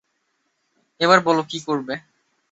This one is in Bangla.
এবার বলো কী করবে?